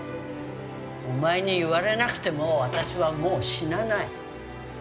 お前に言われなくても私はもう死なない。